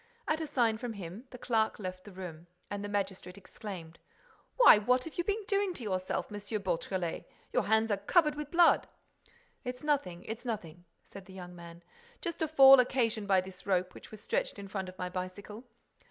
At a sign from him, the clerk left the room; and the magistrate exclaimed: "Why, what have you been doing to yourself, M. Beautrelet? Your hands are covered with blood." "It's nothing, it's nothing," said the young man. "Just a fall occasioned by this rope, which was stretched in front of my bicycle.